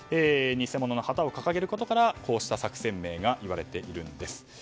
偽物の旗を掲げることからこうした作戦名が言われているんです。